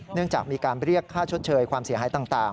เนื่องจากมีการเรียกค่าชดเชยความเสียหายต่าง